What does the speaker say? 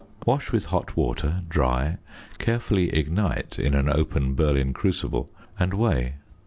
Wash with hot water, dry, carefully ignite in an open Berlin crucible, and weigh.